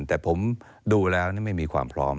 แต่ผมดูแล้วไม่มีความพร้อม